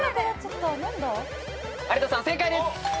有田さん正解です。